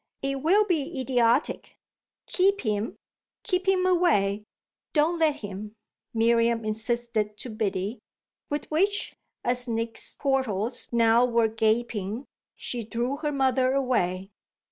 "It will be idiotic. Keep him, keep him away don't let him," Miriam insisted to Biddy; with which, as Nick's portals now were gaping, she drew her mother away.